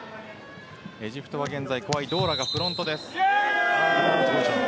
エジプトは怖いドーラがフロントです。